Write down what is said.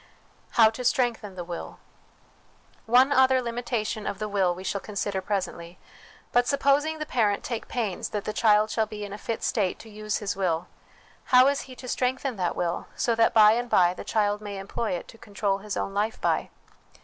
How to Strengthen the Will. One other limi tation of the will we shall consider presently ; but supposing the parent take pains that the child shall be in a fit state to use his will, how is he to strengthen that will, so that by and by the child may employ it to control his own life by